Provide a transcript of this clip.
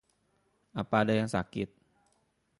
Apa ada yang sakit?